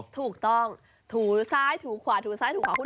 ถูกต้องถูซ้ายถูขวาถูซ้ายถูขวาคุณ